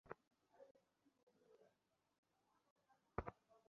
এর কারণ হতে পারে, ছোটবেলায় কোন গভীর মানসিক আঘাতের প্রভাব।